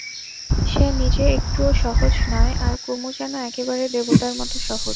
সে নিজে একটুও সহজ নয়, আর কুমু যেন একেবারে দেবতার মতো সহজ।